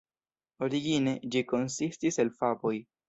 Origine, ĝi konsistis el faboj.